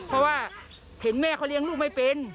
เพราะว่าเห็นแม่เขาเลี้ยงลูกไม่เป็น